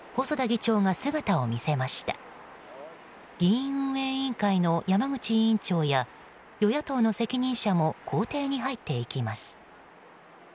議院運営委員会の山口委員長や与野党の責任者も公邸に入っていきます。